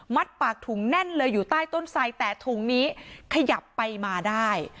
ปากถุงแน่นเลยอยู่ใต้ต้นไสแต่ถุงนี้ขยับไปมาได้